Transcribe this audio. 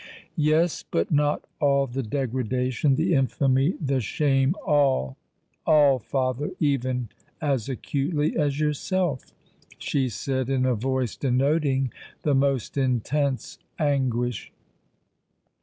"Yes:—but not all the degradation—the infamy—the shame——" "All—all, father,—even as acutely as yourself!" she said, in a voice denoting the most intense anguish.